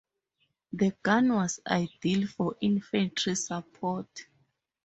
The gun was ideal for infantry support.